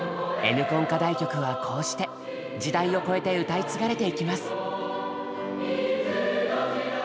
「Ｎコン」課題曲はこうして時代を超えて歌い継がれてゆきます。